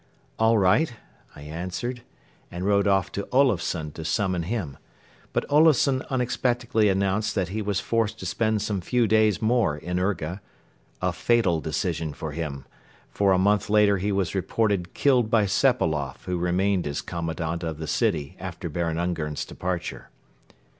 "All right," I answered, and rode off to Olufsen to summon him. But Olufsen unexpectedly announced that he was forced to spend some few days more in Urga a fatal decision for him, for a month later he was reported killed by Sepailoff who remained as Commandant of the city after Baron Ungern's departure.